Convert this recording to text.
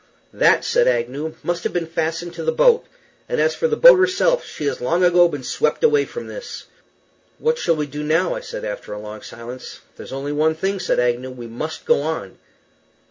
"That," said Agnew, "must have been fastened to the boat; and as for the boat herself, she has long ago been swept away from this." "What shall we do now?" I said, after a long silence. "There's only one thing," said Agnew. "We must go on."